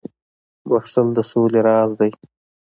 • بخښل د سولي راز دی.